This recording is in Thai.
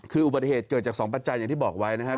คืออุบัติเหตุเกิดจาก๒ปัจจัยอย่างที่บอกไว้นะครับ